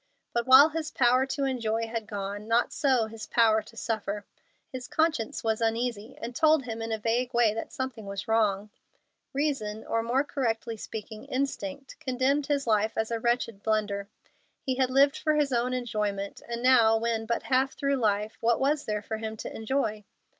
But while his power to enjoy had gone, not so his power to suffer. His conscience was uneasy, and told him in a vague way that something was wrong. Reason, or, more correctly speaking, instinct, condemned his life as a wretched blunder. He had lived for his own enjoyment, and now, when but half through life, what was there for him to enjoy?